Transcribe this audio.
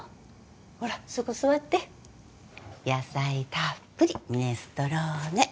ほらそこ座って野菜たっぷりミネストローネ